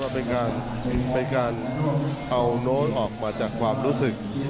เป็นการเอาโน้ตออกมาจากความรู้สึก